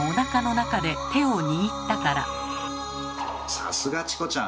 さすがチコちゃん！